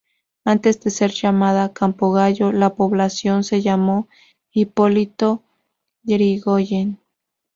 Antes de ser llamada Campo Gallo, la población se llamó Hipólito Yrigoyen.